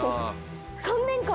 ３年間？